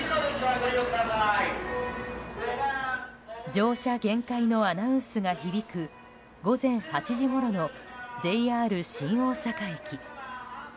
乗車限界のアナウンスが響く午前８時ごろのＪＲ新大阪駅。